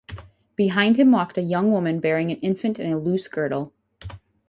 Behind him walked a young woman bearing an infant in a loose girdle.